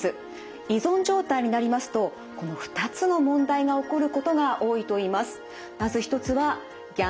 依存状態になりますとこの２つの問題が起こることが多いといいます。